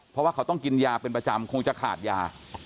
เพราะว่าเขาต้องกินยาเป็นประจำคงจะขาดยา